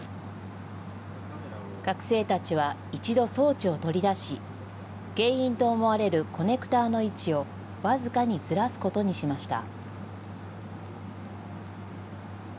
学生たちは、１度装置を取り出し、原因と思われるコネクターの位置を僅かにずらすことにしました。